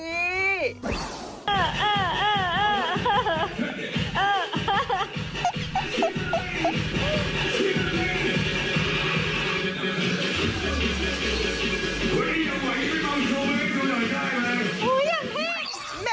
เฮ้ยไม่ต้องโชว์ไม่ต้องโชว์ใหญ่ได้เลย